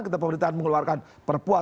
ketika pemerintahan mengeluarkan perpuat